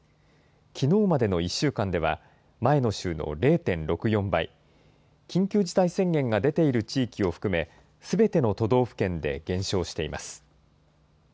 きのうまでの１週間では、前の週の０．６４倍、緊急事態宣言が出ている地域を含め、すべての都道府県で減少しています。